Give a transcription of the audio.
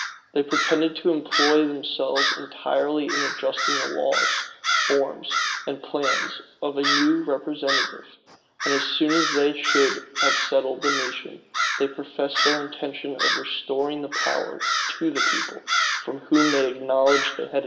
[*] They pretended to employ themselves entirely in adjusting the laws, forms, and plan of a new representative; and as soon as they should have settled the nation, they professed their intention of restoring the power to the people, from whom they acknowledged they had entirely derived it.